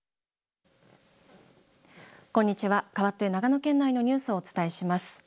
こんにちは、かわって長野県内のニュースをお伝えします。